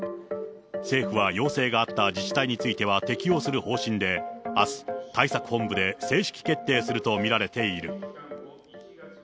政府は要請があった自治体については、適用する方針で、あす、対策本部で正式決定すると見られている。